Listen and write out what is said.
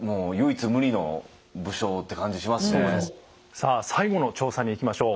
さあ最後の調査にいきましょう。